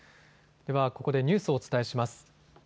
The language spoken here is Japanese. ではここでニュースをお伝えします。